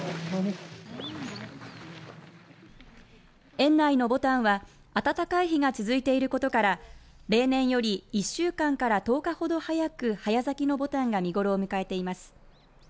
園内のぼたんは暖かい日が続いていることから例年より１週間から１０日ほど早く早咲きのぼたんが見頃を迎えています。